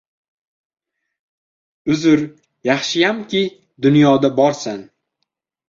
Uzr, yaxshiyamki, dunyoda borsan.